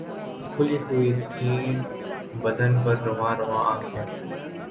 کھُلی ہوئی تھیں بدن پر رُواں رُواں آنکھیں